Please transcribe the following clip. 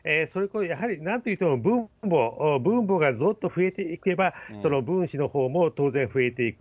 そうですね、それと、なんといっても分母、分母がずっと増えていけば、その分子のほうも当然増えていく。